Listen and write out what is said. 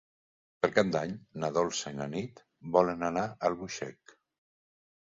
Per Cap d'Any na Dolça i na Nit volen anar a Albuixec.